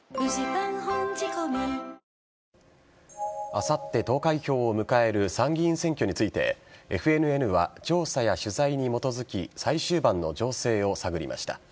あさって投開票を迎える参議院選挙についてＦＮＮは調査や取材に基づき最終盤の情勢を探りました。